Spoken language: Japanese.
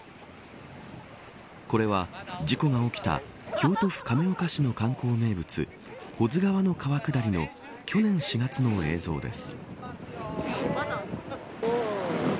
これは、事故が起きた京都府亀岡市の観光名物保津川の川下りの去年４月の映像です。